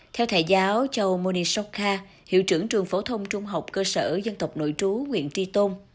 theo thầy giáo châu monishoka hiệu trưởng trường phổ thông trung học cơ sở dân tộc nội trú nguyện tri tôn